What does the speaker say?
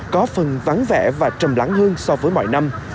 có phần vắng vẻ và trầm lắng hơn so với mọi năm